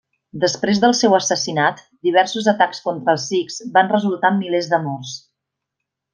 Després del seu assassinat, diversos atacs contra els sikhs van resultar en milers de morts.